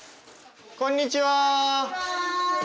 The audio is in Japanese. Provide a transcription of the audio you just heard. こんにちは！